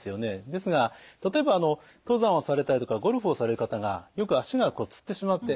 ですが例えば登山をされたりとかゴルフをされる方がよく足がつってしまって。